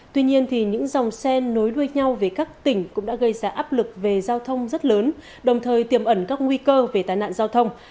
tuy nhiên những dòng xe nối đuôi nhau về các tỉnh cũng đã gây ra áp lực về giao thông rất lớn đồng thời tiềm ẩn các nguy cơ về tai nạn giao thông